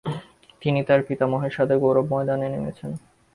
তিনি তার পিতামহের সাথে গৌরব ময়দানে নেমেছেন।